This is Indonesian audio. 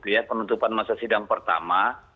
ya penutupan masa sidang pertama